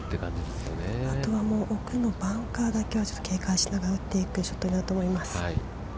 あとはもう、奥のバンカーだけは警戒しながら打っていくショットになると思います。